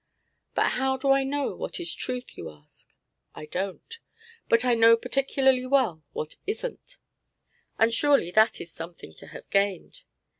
But how do I know what is truth, you ask? I don't. But I know particularly well what isn't. And surely that is something to have gained.